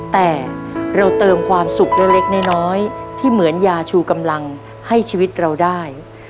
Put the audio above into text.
แต่เราเติมความสุขเล็กน้อยที่เหมือนยาชูกำลังให้ชีวิตเราได้